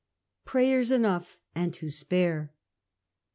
PRAYEKS ENOUGH AND TO SPARE.